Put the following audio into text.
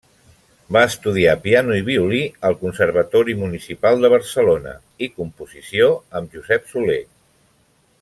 Va estudiar piano i violí al Conservatori Municipal de Barcelona i composició amb Josep Soler.